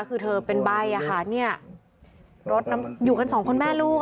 คือเธอเป็นใบ่ค่ะอยู่กันสองคนแม่ลูกค่ะ